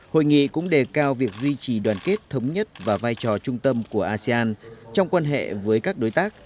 hội nghị cũng đề cao việc duy trì đoàn kết thống nhất và vai trò trung tâm của asean trong quan hệ với các đối tác